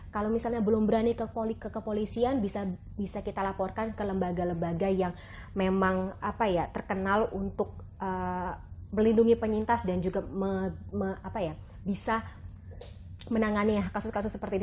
kalau misalnya belum berani ke kepolisian bisa kita laporkan ke lembaga lembaga yang memang terkenal untuk melindungi penyintas dan juga bisa menangani kasus kasus seperti ini